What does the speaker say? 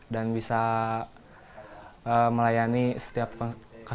dan bisa melayani johan setiap pake inhabitant